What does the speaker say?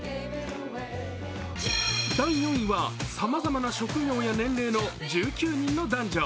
第４位は、さまざまな職業や年齢の１９人の男女。